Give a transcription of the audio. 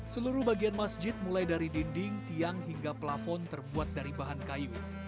seluruh bagian masjid mulai dari dinding tiang hingga plafon terbuat dari bahan kayu